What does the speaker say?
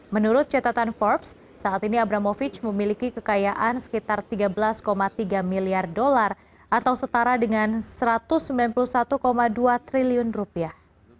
menurut catatan forbes saat ini abramovic memiliki kekayaan sekitar tiga belas tiga miliar dolar atau setara dengan satu ratus sembilan puluh satu dua triliun rupiah